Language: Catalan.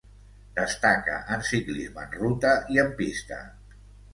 Destaca en ciclisme en ruta i en pista.